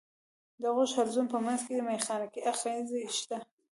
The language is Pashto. د غوږ حلزون په منځ کې مېخانیکي آخذې شته.